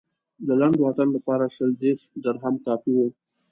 د لنډ واټن لپاره شل دېرش درهم کافي و.